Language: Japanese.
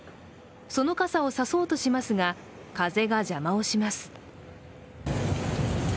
その傘を差そうとしますが風が邪魔をします。